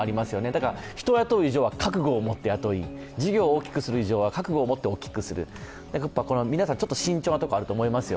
だから人を雇う以上は覚悟を持って雇い、事業を大きくする以上は覚悟を持って大きくする、この皆さん慎重なところあると思いますよ。